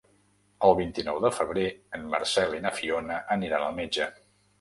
El vint-i-nou de febrer en Marcel i na Fiona aniran al metge.